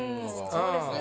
そうですね。